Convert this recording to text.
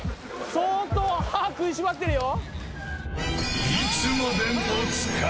相当歯食いしばってるよ。